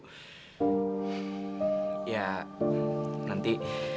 ya nanti saya akan bayar semuanya